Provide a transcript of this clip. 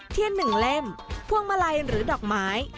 เทียน๑เล่มพวงมาลัยหรือดอกไม้